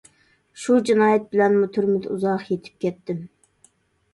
شۇ جىنايەت بىلەنمۇ تۈرمىدە ئۇزاق يېتىپ كەتتىم.